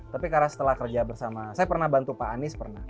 tapi karena setelah kerja bersama saya pernah bantu pak anies pernah